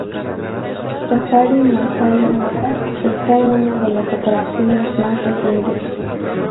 Safari Masai Mara: Esta es una de las atracciones más recientes.